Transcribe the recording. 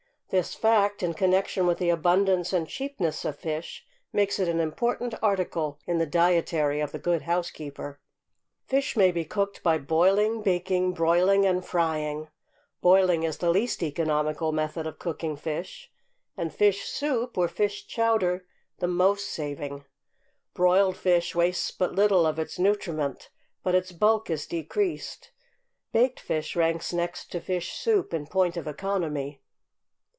This fact, in connection with the abundance and cheapness of fish makes it an important article in the dietary of the good housekeeper. Fish may be cooked by boiling, baking, broiling, and frying; boiling is the least economical method of cooking fish, and fish soup, or fish chowder the most saving; broiled fish wastes but little of its nutriment, but its bulk is decreased; baked fish ranks next to fish soup in point of economy.